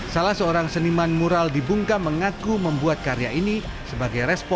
salah seorang seniman mural di bungkam mengaku membuat karya ini sebagai respon